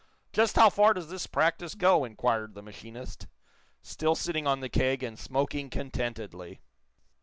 "Just how far does this practice go!" inquired the machinist, still sitting on the keg and smoking contentedly.